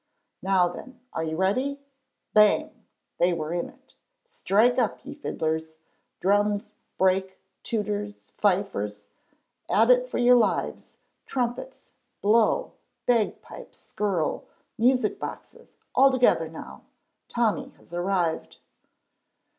Now then, are you ready? Bang! They were in it. Strike up, ye fiddlers; drums, break; tooters, fifers, at it for your lives; trumpets, blow; bagpipes, skirl; music boxes, all together now Tommy has arrived.